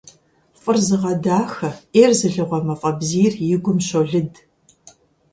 ФӀыр зыгъэдахэ, Ӏейр зылыгъуэ мафӀэбзийр и гум щолыд.